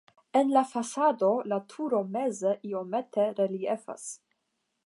En la fasado la turo meze iomete reliefas.